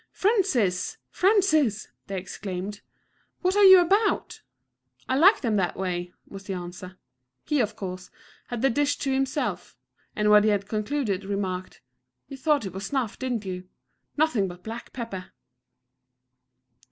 "Francis! Francis!" they exclaimed, "what are you about?" "I like them that way," was the answer. He, of course, had the dish to himself, and when he had concluded, remarked: "You thought it was snuff, did you? Nothing but black pepper."